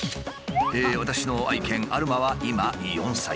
私の愛犬アルマは今４歳。